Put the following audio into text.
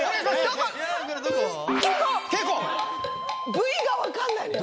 部位が分かんないのよ。